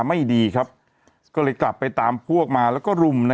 เขาก็บอกคิ้วมันต้อง